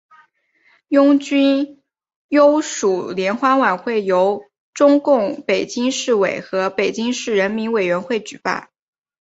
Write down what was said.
拥军优属联欢晚会由中共北京市委和北京市人民委员会举办。